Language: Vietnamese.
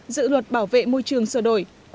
dự luật bảo vệ môi trường sơ đổi